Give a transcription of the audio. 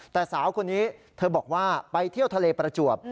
แต่สาวคนนี้เธอบอกว่าไปเที่ยวทะเลประจวบ